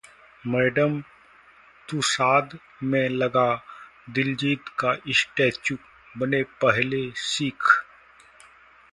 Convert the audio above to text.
madam Tussauds में लगा दिलजीत का स्टैचू, बने पहले सिख